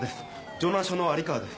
城南署の有川です。